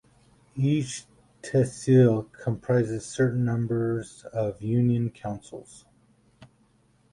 Each Tehsil comprises certain numbers of union councils.